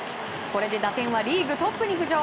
これで打点はリーグトップに浮上。